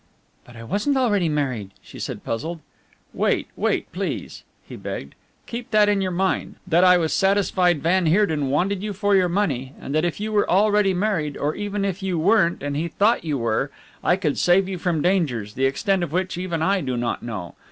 "But I wasn't already married," she said, puzzled. "Wait, wait, please," he begged, "keep that in your mind, that I was satisfied van Heerden wanted you for your money, and that if you were already married or even if you weren't and he thought you were I could save you from dangers, the extent of which even I do not know.